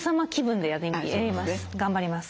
頑張ります。